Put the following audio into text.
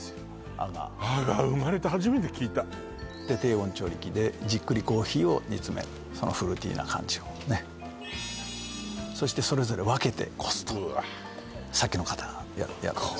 アガーアガー生まれて初めて聞いたで低温調理器でじっくりコーヒーを煮詰めるフルーティーな感じをねそしてそれぞれ分けてこすとうわさっきの方がやってます